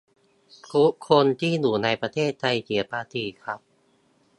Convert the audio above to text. ทุกคนที่อยู่ในประเทศไทยเสียภาษีครับ